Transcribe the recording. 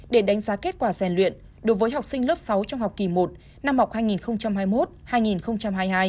để đánh giá kết quả rèn luyện đối với học sinh lớp sáu trong học kỳ một năm học hai nghìn hai mươi một hai nghìn hai mươi hai